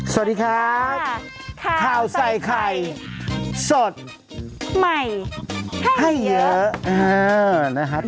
สวัสดีครับข่าวใส่ไข่สดใหม่ให้เยอะ